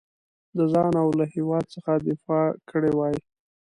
د ځان او له هیواد څخه دفاع کړې وای.